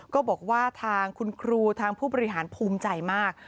ก็บอกว่าทางคุณครูทางผู้บริหารภูมิใจมาก